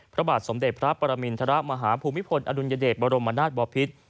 พระบาทสมเด็จพระปรมินทรมาฮภูมิพลอดุลยเดชบรมนาศบอพิษ